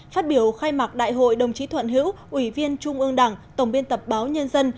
phát biểu khai mạc đại hội đồng chí thuận hữu ủy viên trung ương đảng tổng biên tập báo nhân dân